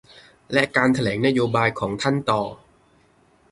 และการแถลงนโยบายของท่านต่อ